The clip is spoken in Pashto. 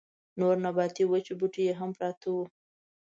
نور نباتي وچ بوټي يې هم پراته وو.